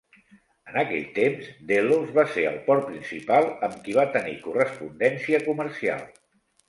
En aquell temps Delos va ser el port principal amb qui va tenir correspondència comercial.